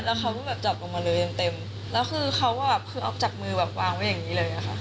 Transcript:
แล้วเขาก็แบบจับลงมาเลยเต็มเต็มแล้วคือเขาแบบคือออกจากมือแบบวางไว้อย่างนี้เลยค่ะ